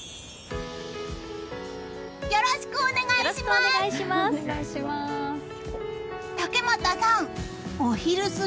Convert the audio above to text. よろしくお願いします！